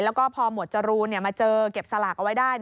แล้วก็พอหมวดจรูนมาเจอเก็บสลากเอาไว้ได้